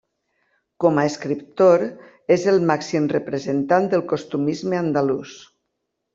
Com a escriptor és el màxim representant del costumisme andalús.